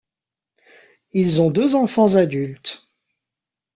Ils ont deux enfants adultes.